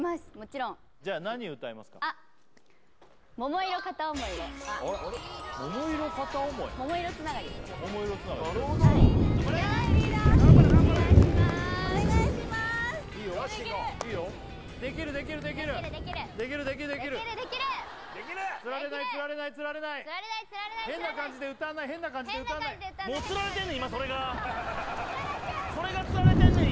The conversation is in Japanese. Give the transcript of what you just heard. ちゃんそれがつられてんねん